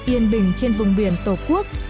yên bình trên vùng biển tổ quốc